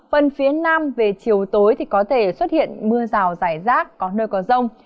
phần phía nam về chiều tối thì có thể xuất hiện mưa rào rải rác có nơi có rông